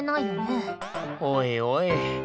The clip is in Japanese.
おいおい。